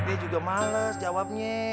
tidak juga males jawabnya